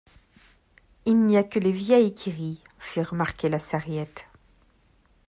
Il n’y a que les vieilles qui rient, fit remarquer la Sarriette.